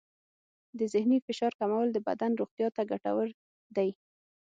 د ذهني فشار کمول د بدن روغتیا ته ګټور دی.